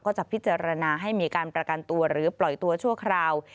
จะพิจารณาให้มีการประกันตัวหรือปล่อยตัวชั่วคราว